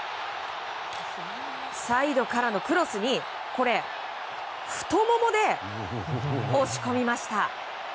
サイドからのクロスに太ももで押し込みました。